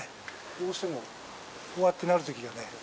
どうしてもこうやってなるときがね。